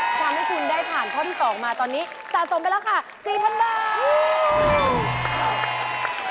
ทำให้คุณได้ผ่านข้อที่๒มาตอนนี้สะสมไปแล้วค่ะ๔๐๐๐บาท